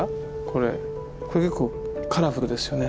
これ結構カラフルですよね。